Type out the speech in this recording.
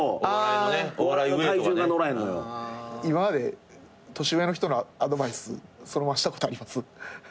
今まで年上の人のアドバイスそのまましたことあります？